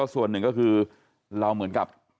ส่วนหนึ่งก็คือเราเหมือนกับ